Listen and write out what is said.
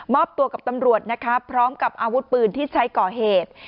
อบตัวกับตำรวจนะคะพร้อมกับอาวุธปืนที่ใช้ก่อเหตุ